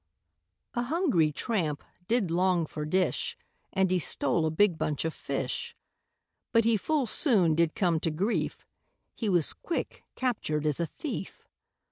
A hungry tramp did long for dish, And he stole a big bunch of fish, But he full soon did come to grief, He was quick captured as a thief.